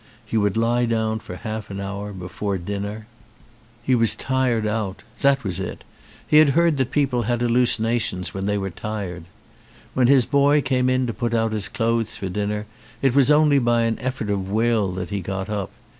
He would lie down for half an hour before dinner. He was 201 ON A CHINESE SCREEN tired out. That was it. He had heard that peo ple had hallucinations when they were tired. When his boy came in to put out his clothes for dinner it was only by an effort of will that he got up.